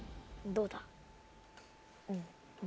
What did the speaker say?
・どうだ？